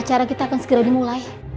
cara kita akan segera dimulai